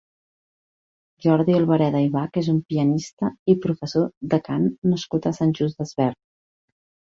Jordi Albareda i Bach és un pianista i professor de cant nascut a Sant Just Desvern.